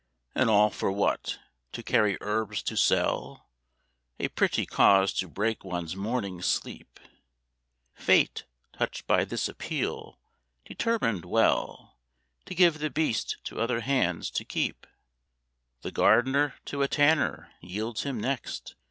And all for what? to carry herbs to sell: A pretty cause to break one's morning sleep!" Fate, touched by this appeal, determined well To give the beast to other hands to keep: The Gardener to a Tanner yields him next.